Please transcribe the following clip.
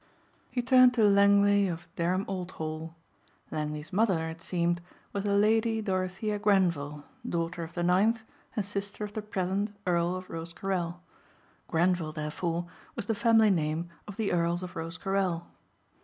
He turned to Langley of Dereham Old Hall. Langley's mother, it seemed, was the Lady Dorothea Grenvil daughter of the ninth, and sister of the present Earl of Rosecarrel. Grenvil, therefore, was the family name of the Earls of Rosecarrel.